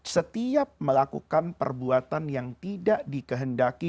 setiap melakukan perbuatan yang tidak dikehendaki